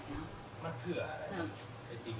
มันเผื่ออะไร